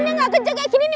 ini nggak kejagaan